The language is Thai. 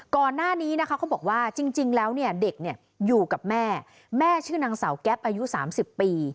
ก่อนหน้านี้นะคะเขาบอกว่าจริงแล้วเนี่ยเด็กอยู่กับแม่แม่ชื่อนางสาวแก๊ปอายุ๓๐ปี